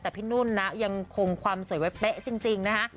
แต่พี่นุ่นนะยังคงความสวยไว้เป๊ะจริงนะคะ